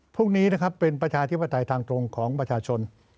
พวกนี้นะครับเป็นประชาธิปไตยทางตรงของประชาชน